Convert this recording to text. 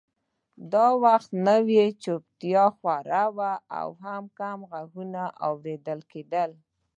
دا وخت نو چوپتیا خوره وه او کم غږونه اورېدل کېدل